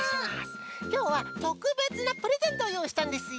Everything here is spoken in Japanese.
きょうはとくべつなプレゼントをよういしたんですよ。